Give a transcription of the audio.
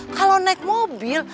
kalau naik mobil